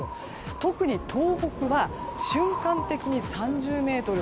特に東北は瞬間的に３０メートル。